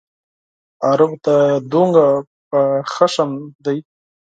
عربو ته دومره په غوسه دی.